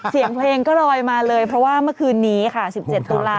เสียงเพลงก็ลอยมาเลยเพราะว่าเมื่อคืนนี้ค่ะ๑๗ตุลาค